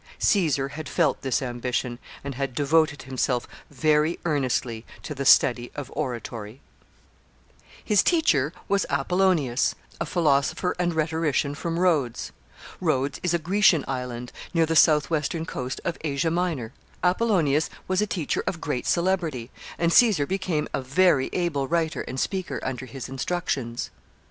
Caesar had felt this ambition, and had devoted himself very earnestly to the study of oratory. [Sidenote: Apollonius.] [Sidenote: Caesar studies under him.] His teacher was Apollonius, a philosopher and rhetorician from Rhodes. Rhodes is a Grecian island, near the southwestern coast of Asia Minor Apollonius was a teacher of great celebrity, and Caesar became a very able writer and speaker under his instructions.